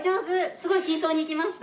すごい均等にいきました。